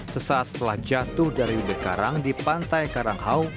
sesaat setelah jatuh dari ube karang di pantai karanghau